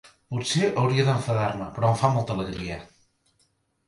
Potser hauria d'enfadar-me, però em fa molta alegria.